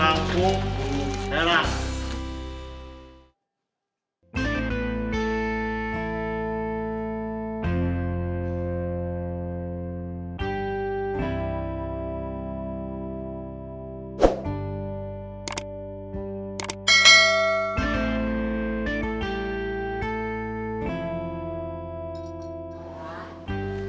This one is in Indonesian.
ini enggak enak